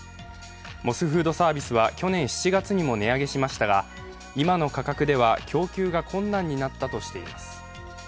モスフードサービスは去年７月にも値上げしましたが今の価格では供給が困難になったとしています。